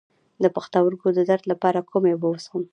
د پښتورګو د درد لپاره کومې اوبه وڅښم؟